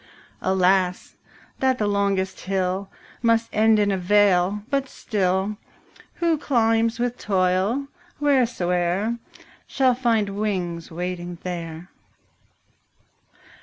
20 Alas, that the longest hill Must end in a vale; but still, Who climbs with toil, wheresoe'er, Shall find wings waiting there.